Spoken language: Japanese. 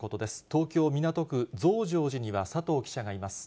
東京・港区、増上寺には佐藤記者がいます。